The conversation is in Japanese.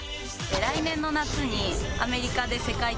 来年の夏に。